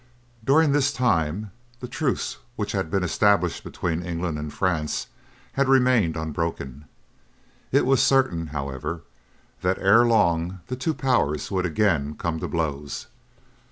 During this time the truce which had been established between England and France had remained unbroken. It was certain, however, that ere long the two powers would again come to blows.